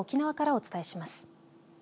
かわって沖縄からお伝えします。